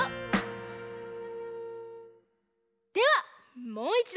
ではもういちど。